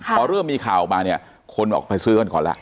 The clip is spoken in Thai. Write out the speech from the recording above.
พอเริ่มมีข่าวออกมาเนี่ยคนออกไปซื้อกันก่อนแล้ว